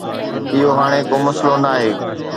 اهو هاڻي ڪو مسئلو ناهي